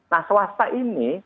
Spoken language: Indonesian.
nah swasta ini